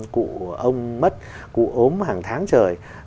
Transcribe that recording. cụ ông mất cụ ốm hàng tháng trời